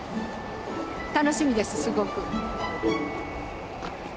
楽しみですすごく。